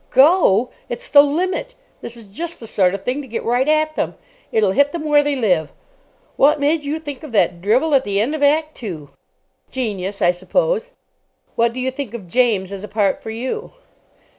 "Go? It's the limit! This is just the sort of thing to get right at them. It'll hit them where they live. What made you think of that drivel at the end of Act Two?" "Genius, I suppose. What do you think of James as a part for you?"